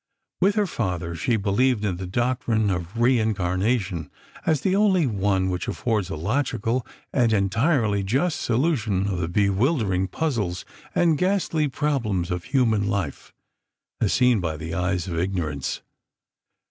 With her father, she believed in the Doctrine of Re Incarnation as the only one which affords a logical and entirely just solution of the bewildering puzzles and ghastly problems of human life as seen by the eyes of ignorance.